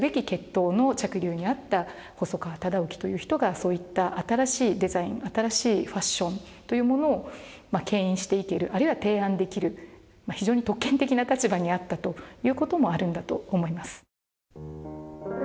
血統の嫡流にあった細川忠興という人がそういった新しいデザイン新しいファッションというものをけん引していけるあるいは提案できる非常に特権的な立場にあったという事もあるんだと思います。